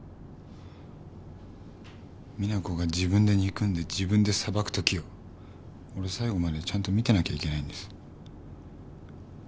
実那子が自分で憎んで自分で裁くときを俺最後までちゃんと見てなきゃいけないんです。